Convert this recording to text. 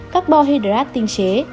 carbohydrate tinh chế